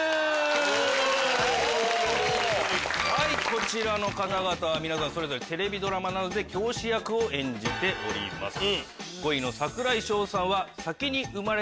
こちらの方々皆さんテレビドラマなどで教師役を演じております。